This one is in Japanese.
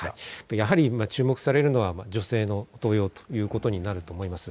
やはり注目されるのは女性の登用ということになると思います。